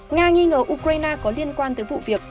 nga nghi ngờ ukraine có liên quan tới vụ việc